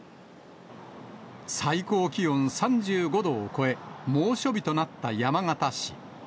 最高気温３５度を超え、猛暑日となった山形市。